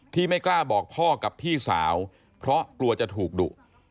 ไม่กล้าบอกพ่อกับพี่สาวเพราะกลัวจะถูกดุ